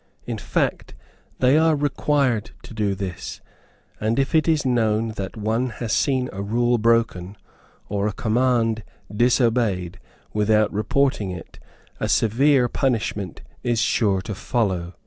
In fact, they are required to do this; and if it is known that one has seen a rule broken, or a command disobeyed, without reporting it, a severe punishment is sure to follow.